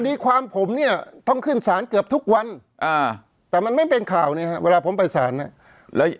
ดีความผมเนี่ยต้องขึ้นสารเกือบทุกวันแต่มันไม่เป็นข่าวเนี่ยฮะเวลาผมไปสารเนี่ย